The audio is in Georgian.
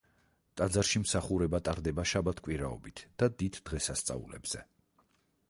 ტაძარში მსახურობა ტარდება შაბათ-კვირაობით და დიდ დღესასწაულებზე.